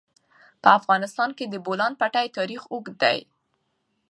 په افغانستان کې د د بولان پټي تاریخ اوږد دی.